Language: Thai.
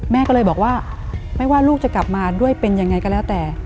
แม่ก็เลยบอกว่าไม่ว่าลูกจะกลับมาด้วยเป็นยังไงก็แล้วแต่